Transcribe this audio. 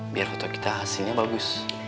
biar foto kita hasilnya bagus